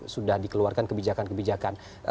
sudah dikeluarkan kebijakan kebijakan